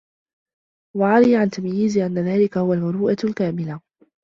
وَعَرِيَ عَنْ تَمْيِيزٍ أَنَّ ذَلِكَ هُوَ الْمُرُوءَةُ الْكَامِلَةُ